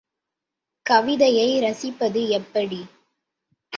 கவிதையை ரசிப்பது எப்படி?